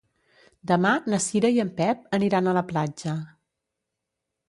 Demà na Cira i en Pep aniran a la platja.